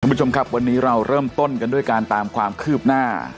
คุณผู้ชมครับวันนี้เราเริ่มต้นกันด้วยการตามความคืบหน้า